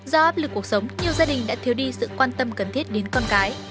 do áp lực cuộc sống nhiều gia đình đã thiếu đi sự quan tâm cần thiết đến con cái